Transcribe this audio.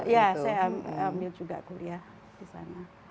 ya saya ambil juga kuliah di sana